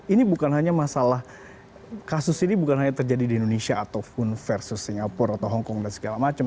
ini bukan hanya masalah kasus ini bukan hanya terjadi di indonesia ataupun versus singapura atau hongkong dan segala macam